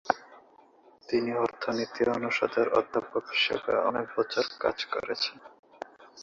তিনি অর্থনীতি অনুষদের অধ্যাপক হিসাবে অনেক বছর ধরে কাজ করেন।